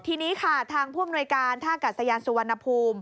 ทีนี้ค่ะทางผู้อำนวยการท่ากัดสยานสุวรรณภูมิ